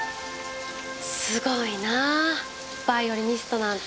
すごいなぁバイオリニストなんて。